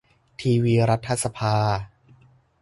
ทีวีรัฐสภา